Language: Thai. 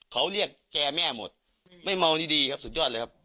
ใช้ความน้ำที่ทำงานสุดยอดเลยครับ